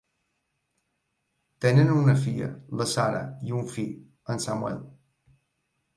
Tenen una filla, la Sarah, i un fill, en Samuel.